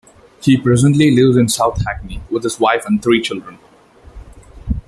He presently lives in South Hackney, with his wife and three children.